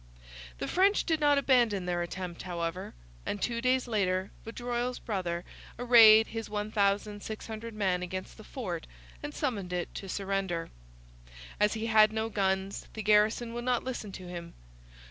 The French did not abandon their attempt, however, and two days later Vaudreuil's brother arrayed his 1,600 men against the fort and summoned it to surrender. As he had no guns the garrison would not listen to him.